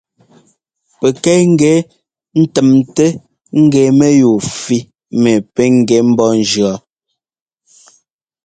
Pɛkɛ ŋ́gɛ ńtɛmtɛ́ ŋ́gɛ mɛyúu fí mɛ pɛ́ ŋ́gɛ ḿbɔ́ ńjʉɔ.